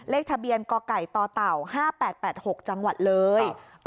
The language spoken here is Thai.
เลขทะเบียนกไก่ต่อเต่า๕๘๘๖จังหวัดเลย